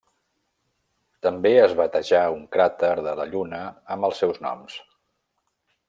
També es batejà un cràter de la Lluna amb els seus noms.